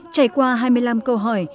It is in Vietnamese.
trải qua hai mươi năm câu hỏi